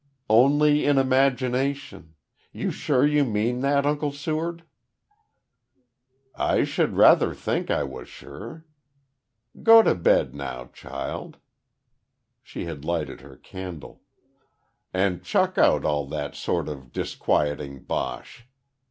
"Only in imagination. You're sure you mean that, Uncle Seward?" "I should rather think I was sure. Go to bed now, child," she had lighted her candle "and chuck out all that sort of disquieting bosh.